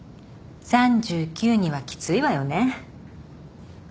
３９にはきついわよね。